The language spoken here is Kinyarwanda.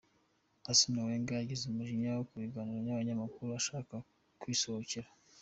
Arsene Wenger yagize umujinya mu kiganiro n’abanyamakuru ashaka kwisohokera.